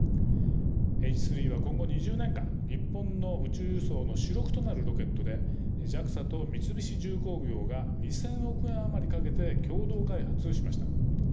Ｈ３は今後２０年間日本の宇宙輸送の主力となるロケットでＪＡＸＡと三菱重工業が２０００億円余りかけて共同開発しました。